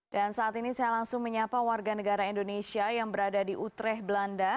dan saat ini saya langsung menyapa warga negara indonesia yang berada di utrecht belanda